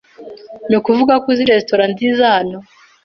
Nukuvugako, uzi resitora nziza hano?